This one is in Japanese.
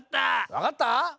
わかった？